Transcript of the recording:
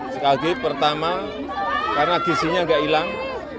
sekali lagi pertama karena gisinya nggak hilang